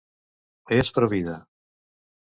És provida.